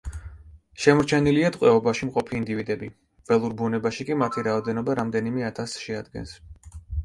შემორჩენილია ტყვეობაში მყოფი ინდივიდები, ველურ ბუნებაში კი მათი რაოდენობა რამდენიმე ათასს შეადგენს.